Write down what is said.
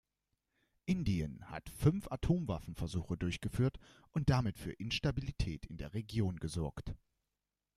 Indien hat fünf Atomwaffenversuche durchgeführt und damit für Instabilität in der Region gesorgt.